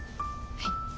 はい。